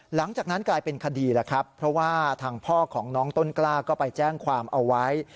หลังจากนั้นกลายเป็นคดีแล้วครับเพราะว่าทางพ่อของน้องต้นกล้าก็ไปแจ้งความเอาไว้